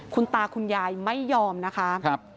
คุณตาคุณยายไม่ยอมนะคะ